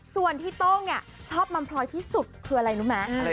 ส่วนที่โต้งเนี้ยชอบมัมพลอยที่สุดคืออะไรรู้มั้ยอะไรเอ่ย